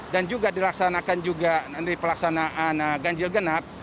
dan juga dilaksanakan juga nanti pelaksanaan ganjil genap